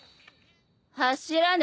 柱ね。